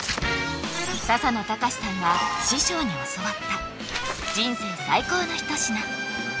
笹野高史さんが師匠に教わった人生最高の一品